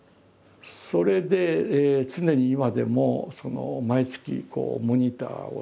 それで常に今でも毎月モニターをしています。